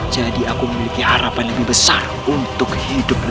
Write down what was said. jadi aku memiliki harapan lebih besar untuk hidupmu